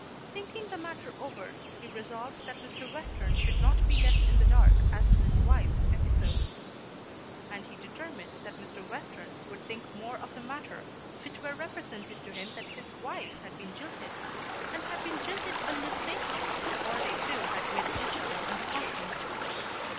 Thinking the matter over, he resolved that Mr. Western should not be left in the dark as to his wife's episode. And he determined that Mr. Western would think more of the matter if it were represented to him that his wife had been jilted, and had been jilted unmistakably before they two had met each other on the Continent.